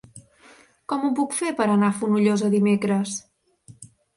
Com ho puc fer per anar a Fonollosa dimecres?